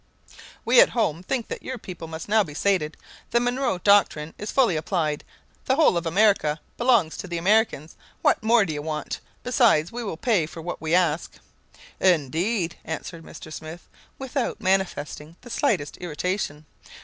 "We at home think that your people must now be sated. The Monroe doctrine is fully applied; the whole of America belongs to the Americans. What more do you want? Besides, we will pay for what we ask." "Indeed!" answered Mr. Smith, without manifesting the slightest irritation.